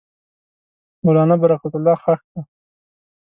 مولنا برکت الله ښخ دی.